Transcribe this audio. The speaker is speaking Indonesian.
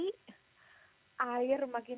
lalu saya mulai naik turun